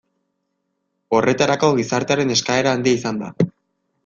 Horretarako gizartearen eskaera handia izan da.